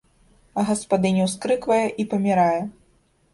Гаспадыня ўскрыквае і памірае.